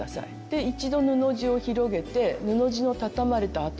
で一度布地を広げて布地の畳まれた跡